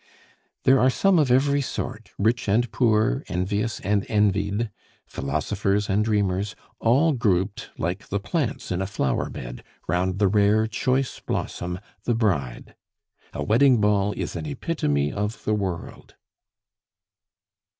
There are some of every sort, rich and poor, envious and envied, philosophers and dreamers, all grouped like the plants in a flower bed round the rare, choice blossom, the bride. A wedding ball is an epitome of the world.